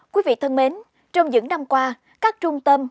quý vị thân mến trong những năm qua các trung tâm